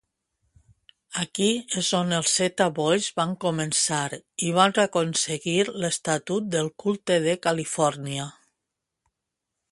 Aquí és on els Z-Boys van començar i van aconseguir l'estatut del culte de Califòrnia.